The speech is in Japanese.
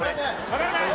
わからない？